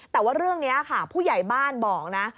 แต่ว่าเรื่องนี้ค่ะผู้ใหญ่บ้านบอกนะ